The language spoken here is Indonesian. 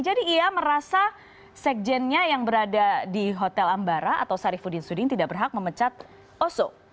jadi ia merasa sekjennya yang berada di hotel ambara atau sarifudin suding tidak berhak memecat oso